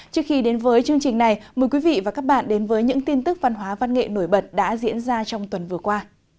trước khi đến với chương trình này mời quý vị và các bạn đến với những tin tức văn hóa văn nghệ nổi bật đã diễn ra trong tuần vừa qua